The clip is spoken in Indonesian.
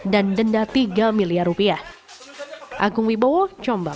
denda tiga miliar rupiah